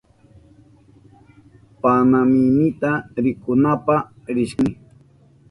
Panamihinita rikunapa rishkani.